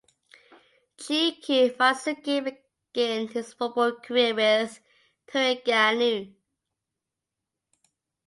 Che Ku Marzuki begin his football career with Terengganu.